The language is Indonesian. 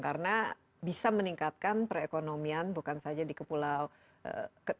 karena bisa meningkatkan perekonomian bukan saja di kepulauan